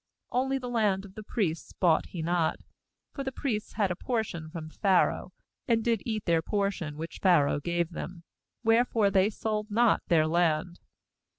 ^Only the land of the priests bought he not, for the priests had a portion from Pharaoh, and did eat their portion which Pharaoh gave them; wherefore they sold not their land.